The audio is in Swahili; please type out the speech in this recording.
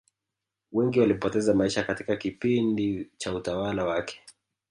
wengi walipoteza maisha katika kipindi cha utawala wake